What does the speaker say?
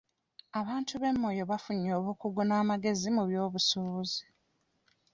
Abantu be Moyo baafunye obukugu n'amagezi mu by'obusuubuzi.